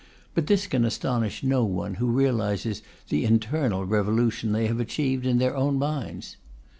But this can astonish no one who realizes the internal revolution they have achieved in their own minds.